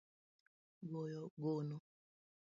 Goyo gono